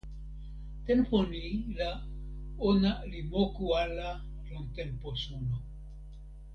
tenpo ni la ona li moku ala lon tenpo suno.